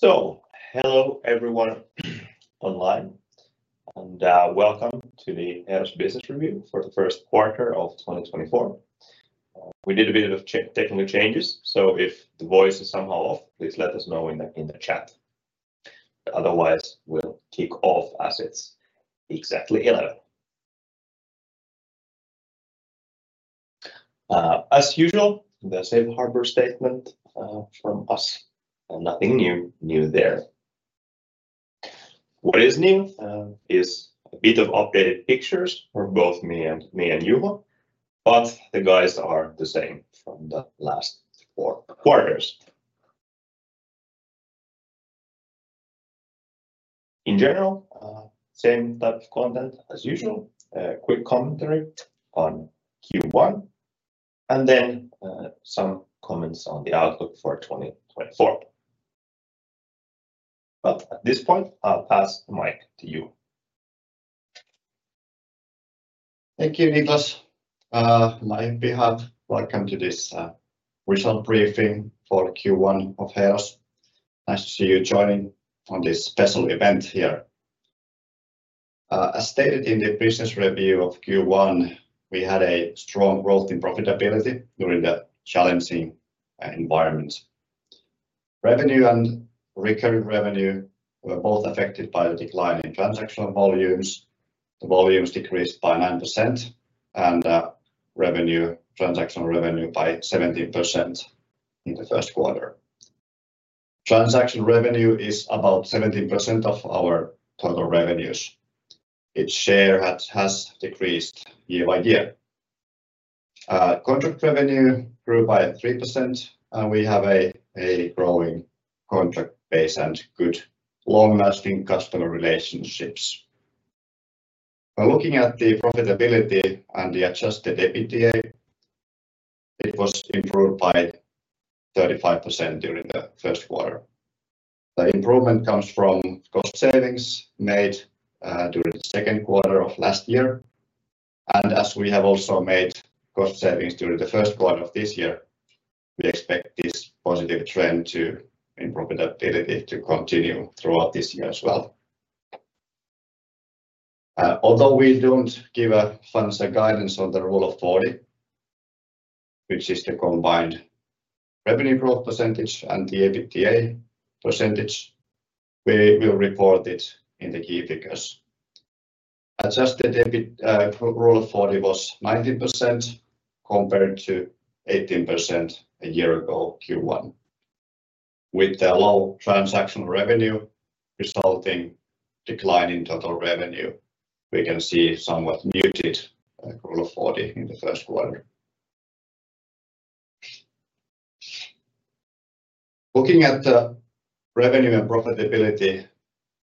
Hello everyone online, and welcome to the Heeros Business Review for the first quarter of 2024. We did a bit of technical changes, so if the voice is somehow off, please let us know in the chat. Otherwise, we'll kick off as it's exactly 11:00 A.M. As usual, the safe harbor statement from us, and nothing new there. What is new is a bit of updated pictures for both me and Juho, but the guys are the same from the last four quarters. In general, same type of content as usual. Quick commentary on Q1, and then some comments on the outlook for 2024. But at this point, I'll pass the mic to you. Thank you, Niklas. On my behalf, welcome to this result briefing for Q1 of Heeros. Nice to see you joining on this special event here. As stated in the business review of Q1, we had a strong growth in profitability during the challenging environment. Revenue and recurring revenue were both affected by the decline in transactional volumes. The volumes decreased by 9% and revenue, transactional revenue by 17% in the first quarter. Transaction revenue is about 17% of our total revenues. Its share has decreased year-over-year. Contract revenue grew by 3%, and we have a growing contract base and good long-lasting customer relationships. By looking at the profitability and the Adjusted EBITDA, it was improved by 35% during the first quarter. The improvement comes from cost savings made during the second quarter of last year, and as we have also made cost savings during the first quarter of this year, we expect this positive trend to, in profitability, to continue throughout this year as well. Although we don't give a financial guidance on the Rule of 40, which is the combined revenue growth percentage and the EBITDA percentage, we will report it in the key figures. Adjusted EBIT Rule of 40 was 19%, compared to 18% a year ago, Q1. With the low transactional revenue resulting decline in total revenue, we can see somewhat muted Rule of 40 in the first quarter. Looking at the revenue and profitability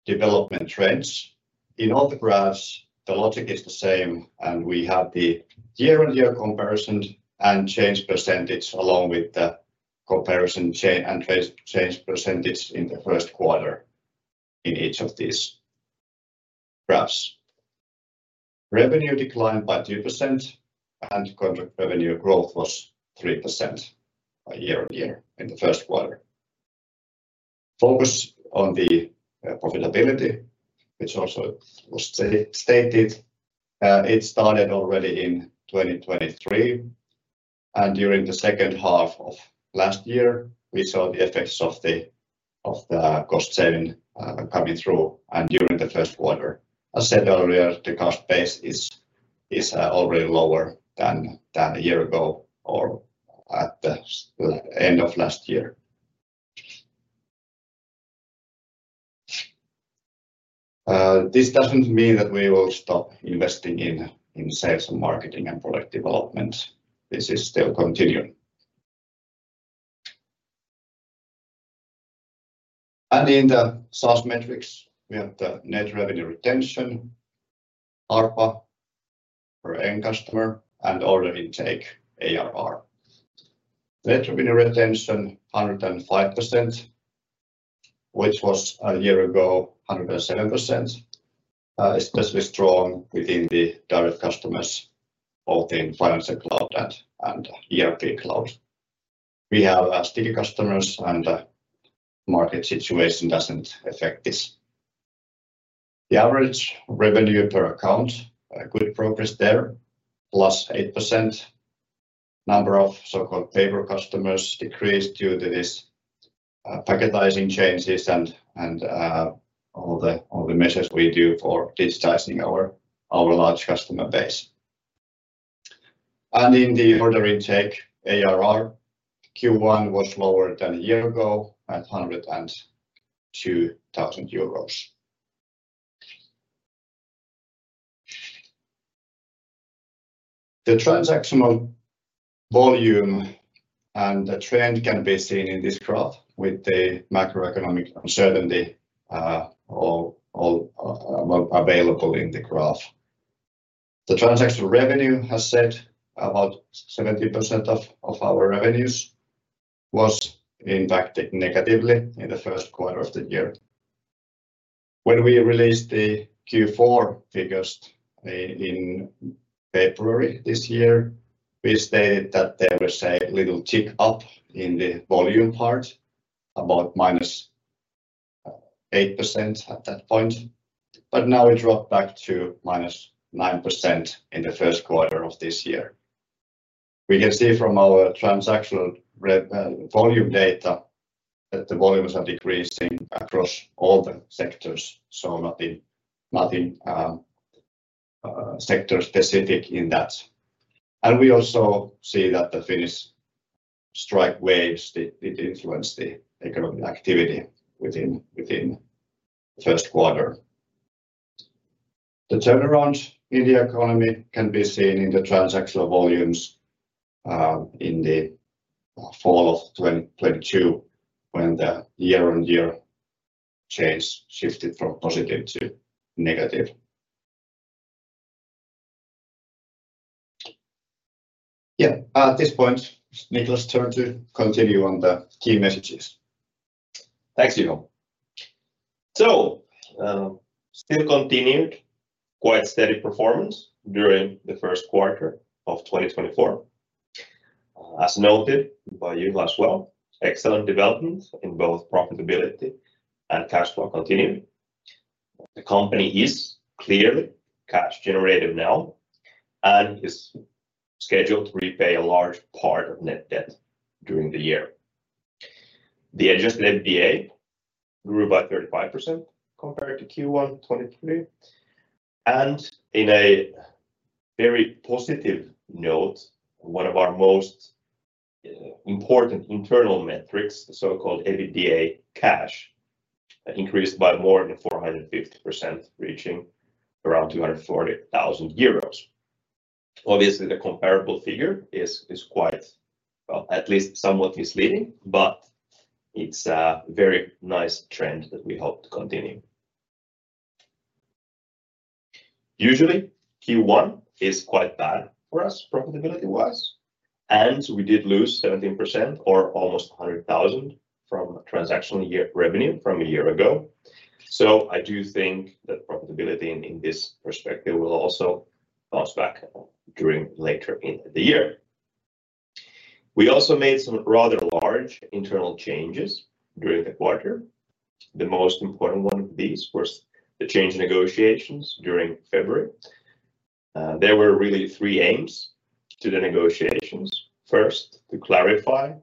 development trends, in all the graphs, the logic is the same, and we have the year-on-year comparison and change percentage, along with the comparison change percentage in the first quarter in each of these graphs. Revenue declined by 2%, and contract revenue growth was 3% year-on-year in the first quarter. Focus on the profitability, which also was stated, it started already in 2023, and during the second half of last year, we saw the effects of the cost-saving coming through and during the first quarter. As said earlier, the cost base is already lower than a year ago or at the end of last year. This doesn't mean that we will stop investing in sales and marketing and product development. This is still continuing. In the SaaS metrics, we have the net revenue retention, ARPA per end customer, and order intake, ARR. Net revenue retention, 105%, which was a year ago, 107%, especially strong within the direct customers, both in Financial Cloud and ERP Cloud. We have sticky customers, and market situation doesn't affect this. The average revenue per account, good progress there, +8%. Number of so-called paper customers decreased due to this packetizing changes and all the measures we do for digitizing our large customer base. In the order intake, ARR, Q1 was lower than a year ago at 102,000 euros. The transactional volume and the trend can be seen in this graph with the macroeconomic uncertainty, all available in the graph. The transaction revenue, as said, about 70% of our revenues was impacted negatively in the first quarter of the year. When we released the Q4 figures in February this year, we stated that there was a little tick up in the volume part, about -8% at that point, but now it dropped back to -9% in the first quarter of this year. We can see from our transactional volume data that the volumes are decreasing across all the sectors, so nothing sector specific in that. We also see that the Finnish strike waves did influence the economic activity within the first quarter. The turnaround in the economy can be seen in the transactional volumes in the fall of 2022, when the year-on-year change shifted from positive to negative. Yeah, at this point, Niklas's turn to continue on the key messages. Thanks, Juho. So, still continued quite steady performance during the first quarter of 2024. As noted by Juho as well, excellent development in both profitability and cash flow continued. The company is clearly cash generative now and is scheduled to repay a large part of net debt during the year. The Adjusted EBITDA grew by 35% compared to Q1 2023, and in a very positive note, one of our most important internal metrics, the so-called EBITDA cash, increased by more than 450%, reaching around 240,000 euros. Obviously, the comparable figure is quite, well, at least somewhat misleading, but it's a very nice trend that we hope to continue. Usually, Q1 is quite bad for us, profitability-wise, and we did lose 17% or almost 100,000 from transactional year revenue from a year ago. So I do think that profitability in this perspective will also bounce back during later in the year. We also made some rather large internal changes during the quarter. The most important one of these was the change in negotiations during February. There were really three aims to the negotiations. First, to clarify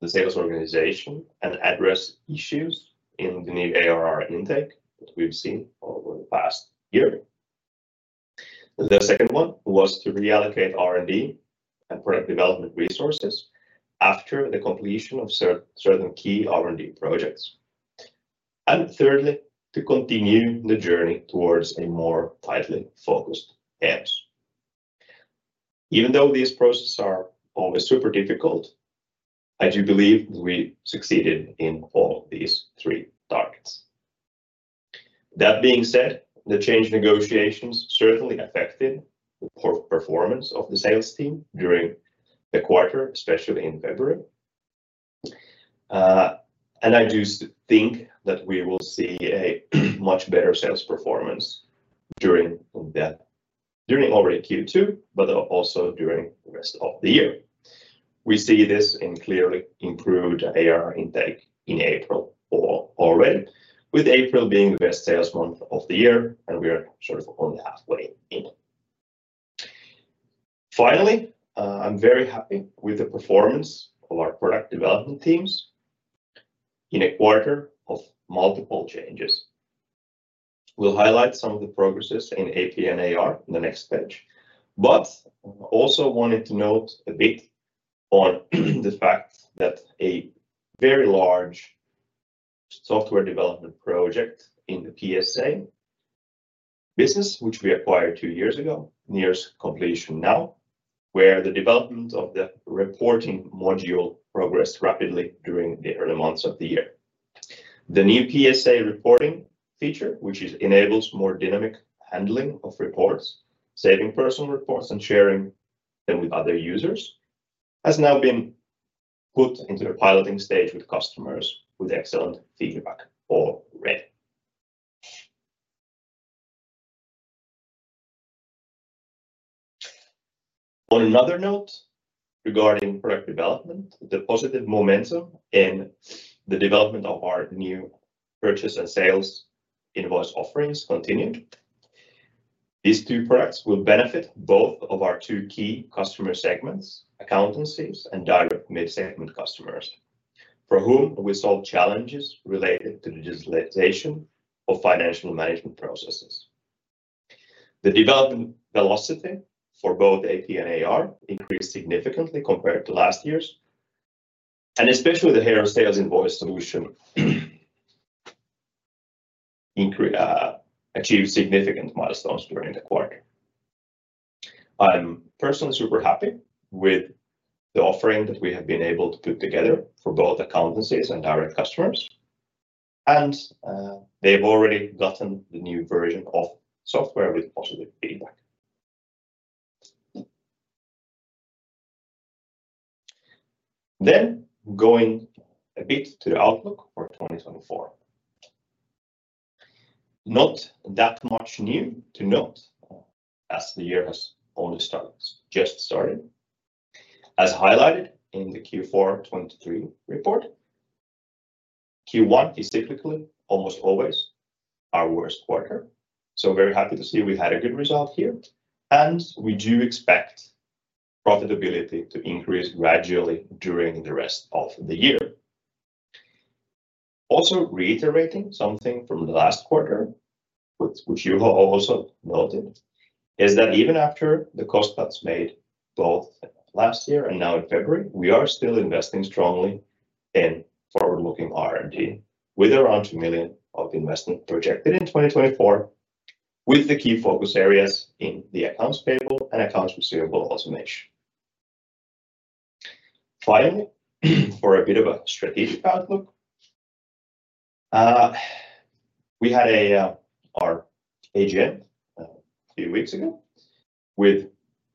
the sales organization and address issues in the new ARR intake that we've seen over the past year. The second one was to reallocate R&D and product development resources after the completion of certain key R&D projects. And thirdly, to continue the journey towards a more tightly focused apps. Even though these processes are always super difficult, I do believe we succeeded in all these three targets. That being said, the change negotiations certainly affected the performance of the sales team during the quarter, especially in February. And I do think that we will see a much better sales performance during already Q2, but also during the rest of the year. We see this in clearly improved ARR intake in April already, with April being the best sales month of the year, and we are sort of only halfway in. Finally, I'm very happy with the performance of our product development teams in a quarter of multiple changes. We'll highlight some of the progresses in AP and AR in the next page, but also wanted to note a bit on the fact that a very large software development project in the PSA business, which we acquired two years ago, nears completion now, where the development of the reporting module progressed rapidly during the early months of the year. The new PSA reporting feature, which enables more dynamic handling of reports, saving personal reports, and sharing them with other users, has now been put into the piloting stage with customers with excellent feedback already. On another note, regarding product development, the positive momentum in the development of our new purchase and sales invoice offerings continued. These two products will benefit both of our two key customer segments, accountancies and direct mid-segment customers, for whom we solve challenges related to the digitalization of financial management processes. The development velocity for both AP and AR increased significantly compared to last year's, and especially the Heeros sales invoice solution achieved significant milestones during the quarter. I'm personally super happy with the offering that we have been able to put together for both accountancies and direct customers, and they've already gotten the new version of software with positive feedback. Then going a bit to the outlook for 2024. Not that much new to note, as the year has only started, just started. As highlighted in the Q4 2023 report, Q1 is typically almost always our worst quarter, so very happy to see we've had a good result here, and we do expect profitability to increase gradually during the rest of the year. Also, reiterating something from the last quarter, which you have also noted, is that even after the cost cuts made both last year and now in February, we are still investing strongly in forward-looking R&D, with around 2 million of investment projected in 2024, with the key focus areas in the accounts payable and accounts receivable automation. Finally, for a bit of a strategic outlook. We had our AGM a few weeks ago, with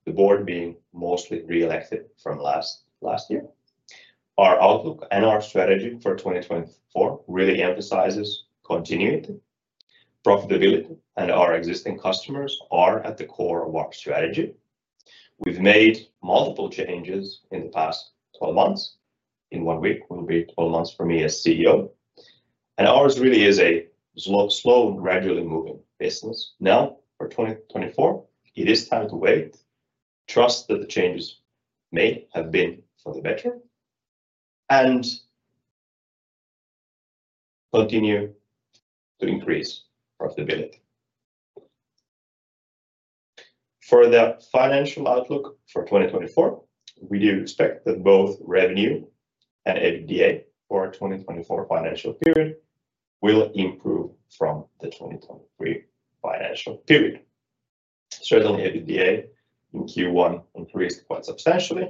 the board being mostly reelected from last, last year. Our outlook and our strategy for 2024 really emphasizes continuity, profitability, and our existing customers are at the core of our strategy. We've made multiple changes in the past 12 months. In one week, it will be 12 months for me as CEO, and ours really is a slow, slow, gradually moving business. Now, for 2024, it is time to wait, trust that the changes made have been for the better, and continue to increase profitability. For the financial outlook for 2024, we do expect that both revenue and EBITDA for our 2024 financial period will improve from the 2023 financial period. Certainly, EBITDA in Q1 increased quite substantially.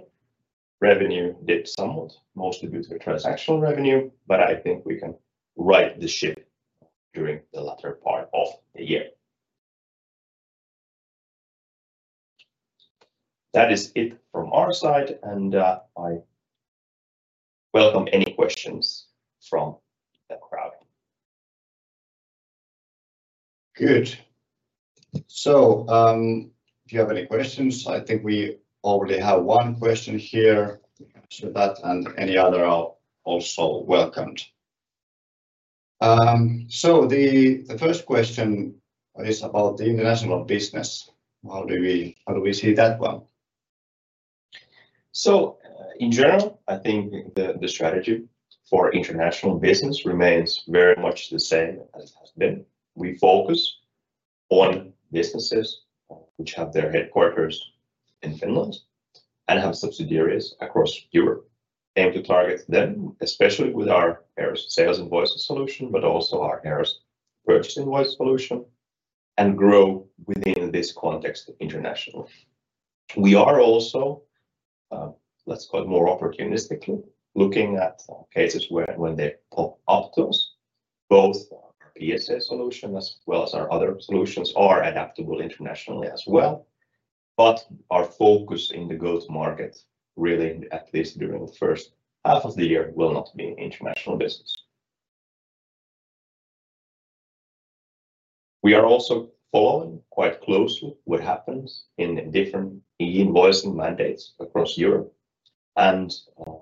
Revenue dipped somewhat, mostly due to transactional revenue, but I think we can right the ship during the latter part of the year. That is it from our side, and I welcome any questions from the crowd. Good. So, if you have any questions, I think we already have one question here. So that and any other are also welcome. So the first question is about the international business. How do we see that one? So, in general, I think the strategy for international business remains very much the same as it has been. We focus on businesses which have their headquarters in Finland and have subsidiaries across Europe. Aim to target them, especially with our sales invoice solution, but also our purchase invoice solution, and grow within this context internationally. We are also, let's call it more opportunistically, looking at cases where when they pop up to us, both our PSA solution as well as our other solutions are adaptable internationally as well. But our focus in the growth market, really, at least during the first half of the year, will not be international business. We are also following quite closely what happens in different e-invoicing mandates across Europe and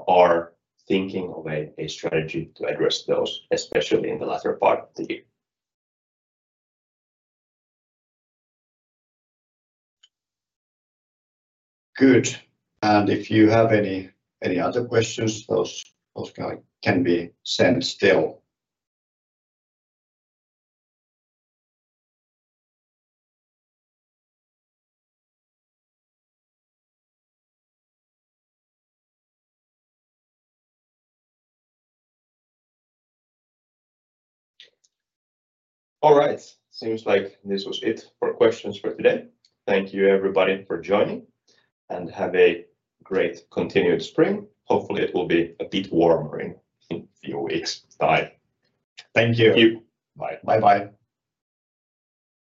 are thinking of a strategy to address those, especially in the latter part of the year. Good. And if you have any other questions, those can be sent still. All right. Seems like this was it for questions for today. Thank you, everybody, for joining, and have a great continued spring. Hopefully, it will be a bit warmer in a few weeks. Bye. Thank you. Thank you. Bye. Bye-bye.